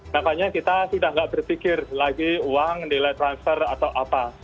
makanya kita sudah tidak berpikir lagi uang nilai transfer atau apa